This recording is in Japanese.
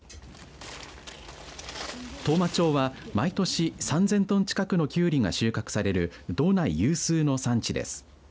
当麻町は毎年３０００トン近くのキュウリが収穫される道内有数の産地です。